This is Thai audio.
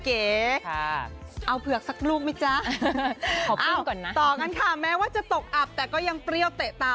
เอาเผือกสักลูกมั้ยจ๊ะต่อกันค่ะแม้ว่าจะตกอับแต่ก็ยังเปรี้ยวเตะตา